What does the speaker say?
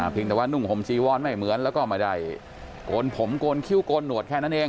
เพียงแต่ว่านุ่งห่มจีวอนไม่เหมือนแล้วก็ไม่ได้โกนผมโกนคิ้วโกนหนวดแค่นั้นเอง